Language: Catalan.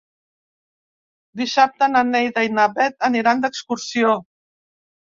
Dissabte na Neida i na Bet aniran d'excursió.